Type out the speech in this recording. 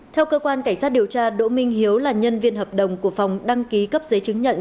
theo cơ quan cảnh sát điều tra đỗ minh hiếu là nhân viên hợp đồng của phòng đăng ký cấp giấy chứng nhận